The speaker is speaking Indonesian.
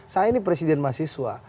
saya ini presiden mahasiswa